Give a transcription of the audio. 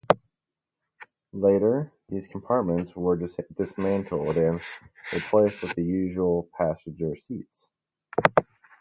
Later, these compartments were dismantled and replaced with the usual passenger seats.